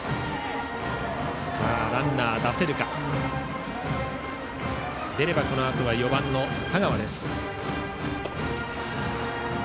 ランナー出せればこのあとは４番の田川。